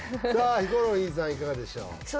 ヒコロヒーさんいかがでしょう？